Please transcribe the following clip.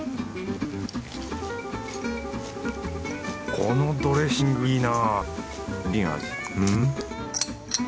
このドレッシングいいな。